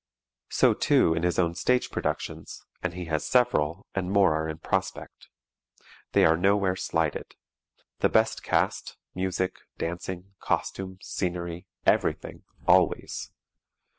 So, too, in his own stage productions, and he has several, and more are in prospect. They are nowhere slighted. The best cast, music, dancing, costumes, scenery everything always.